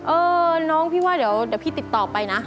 เออน้องพี่ว่าเดี๋ยวพี่ติดต่อไปนะ